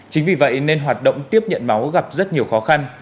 chính vì vậy nên hoạt động tiếp nhận máu gặp rất nhiều khó khăn